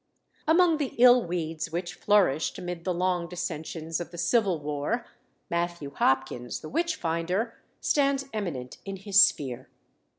Among the ill weeds which flourished amid the long dissensions of the civil war, Matthew Hopkins, the witch finder, stands eminent in his sphere.